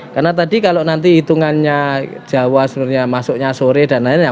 karena tadi kalau nanti hitungannya jawa sebenarnya masuknya sore dan lain lain